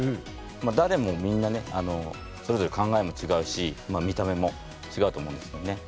誰もみんなねそれぞれ考えも違うし見た目も違うと思うんですよね。